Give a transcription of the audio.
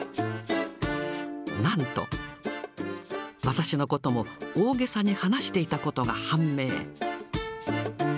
なんと、私のことも大げさに話していたことが判明。